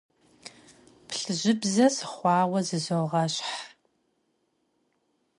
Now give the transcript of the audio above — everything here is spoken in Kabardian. Плъыжьыбзэ сыхъуауэ зызогъэщхъ.